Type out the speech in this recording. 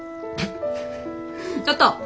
ちょっと！